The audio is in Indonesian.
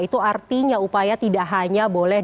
itu artinya upaya tidak hanya boleh